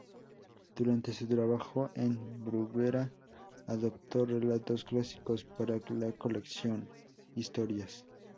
Durante su trabajo en Bruguera, adaptó relatos clásicos para la colección "Historias".